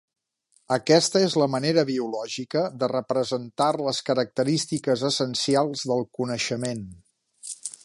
Aquesta és la manera biològica de representar les característiques essencials del coneixement.